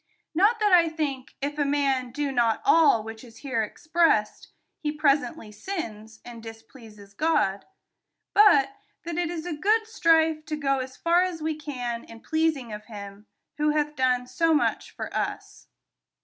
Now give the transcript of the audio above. Not that I think, if a man do not all which is here expressed, he presently sins, and d'spleases God ; hut that it is a good strife to go as far as we can in pleasing of him, who hath done so much for us.